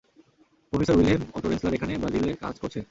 Professor Wilhelm Otto Rensler এখানে ব্রাজিলে কাজ করছে।